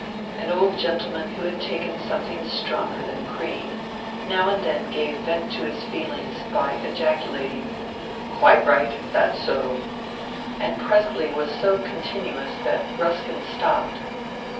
An old gen tleman who had taken something stronger than cream, now and then gave vent to his feelings by ejaculating, ^^ Quite BUSKIN ON CONTEMPORARY ART 119 right, that 's so," and presently was so continuous that Ruskin stopped.